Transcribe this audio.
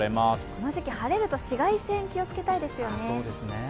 この時期晴れると紫外線気をつけたいですよね。